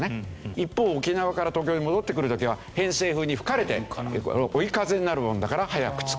一方沖縄から東京に戻ってくる時は偏西風に吹かれて追い風になるもんだから早く着く。